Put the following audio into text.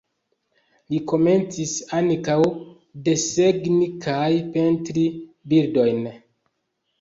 Li komencis ankaŭ desegni kaj pentri birdojn.